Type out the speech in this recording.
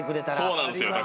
そうなんですよね。